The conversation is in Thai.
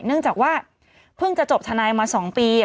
เนื่องจากว่าเพิ่งจะจบทนายมา๒ปี